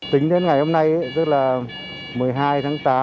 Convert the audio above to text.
tính đến ngày hôm nay tức là một mươi hai tháng tám